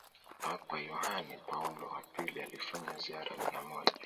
Papa Yohane Paulo wa pili alifanya ziara mia moja